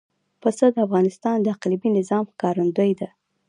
پسه د افغانستان د اقلیمي نظام ښکارندوی ده.